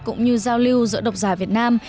cũng như giao lưu giữa độc giả việt nam